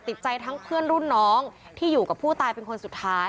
ติดใจทั้งเพื่อนรุ่นน้องที่อยู่กับผู้ตายเป็นคนสุดท้าย